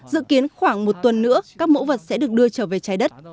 dự kiến khoảng một tuần nữa các mẫu vật sẽ được đưa trở về trái đất